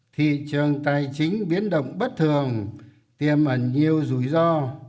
thị trường tài chính biến động bất thường tiêm ẩn nhiều rủi ro